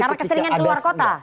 karena keseringan keluar kota